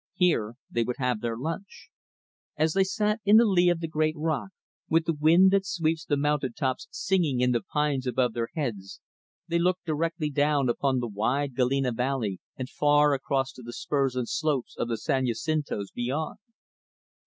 Here they would have their lunch. As they sat in the lee of the great rock, with the wind that sweeps the mountain tops singing in the pines above their heads, they looked directly down upon the wide Galena Valley and far across to the spurs and slopes of the San Jacintos beyond.